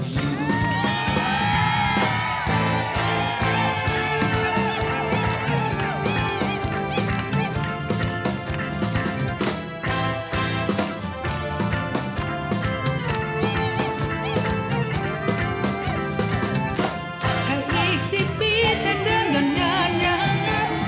ถ้ายังไงอีกสิบปีจะเดินหล่อนหยาน